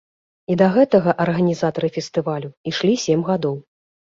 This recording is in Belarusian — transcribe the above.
І да гэтага арганізатары фестывалю ішлі сем гадоў.